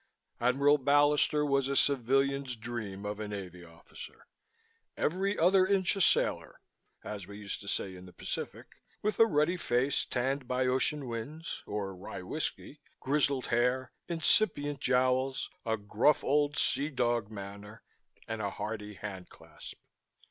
Admiral Ballister was a civilian's dream of a Navy Officer "every other inch a sailor," as we used to say in the Pacific with a ruddy face tanned by ocean winds or rye whisky, grizzled hair, incipient jowls, a "gruff old sea dog" manner and a hearty hand clasp.